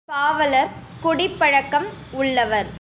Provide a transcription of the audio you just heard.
பாவலர் குடிப்பழக்கம் உள்ளவர்.